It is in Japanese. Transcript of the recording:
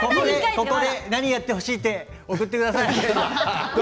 ここに何をやってほしいと送ってください。